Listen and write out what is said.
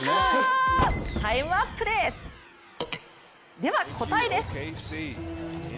では、答えです。